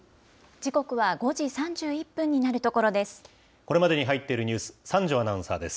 時刻は５時３１分になるところです。